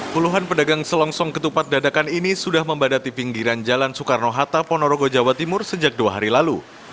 puluhan pedagang selongsong ketupat dadakan ini sudah membadati pinggiran jalan soekarno hatta ponorogo jawa timur sejak dua hari lalu